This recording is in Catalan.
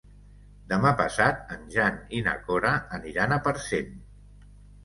Demà passat en Jan i na Cora aniran a Parcent.